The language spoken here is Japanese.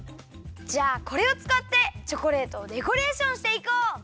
じゃあこれをつかってチョコレートをデコレーションしていこう！